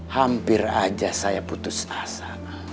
hampir aja saya putus asa